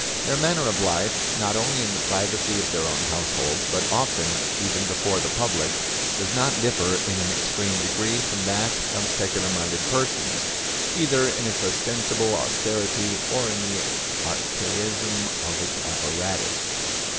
Their manner of life, not only in the privacy of their own household, but often even before the public, does not differ in an extreme degree from that of secular minded persons, either in its ostensible austerity or in the archaism of its apparatus.